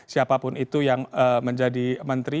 siapapun itu yang menjadi menteri